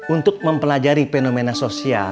untuk mempelajari fenomena sosial